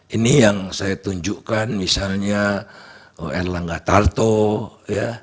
ini yang saya tunjukkan misalnya erlangga tarto ya